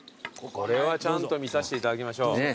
これはちゃんと見させていただきましょう。